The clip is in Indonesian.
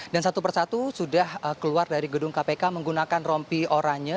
dan satu persatu sudah keluar dari gedung kpk menggunakan rompi oranya